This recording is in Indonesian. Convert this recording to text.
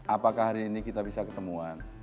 apakah hari ini kita bisa ketemuan